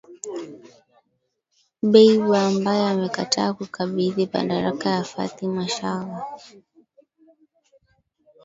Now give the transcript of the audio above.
Dbeibah ambaye amekataa kukabidhi madaraka kwa Fathi Bashagha.